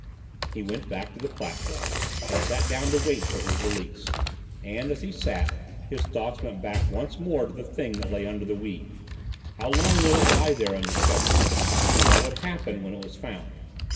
He went back to the platform and sat down to wait for his release; and, as he sat, his thoughts went back once more to the thing that lay under the weed. How long would it lie there undiscovered? And what would happen when it was found?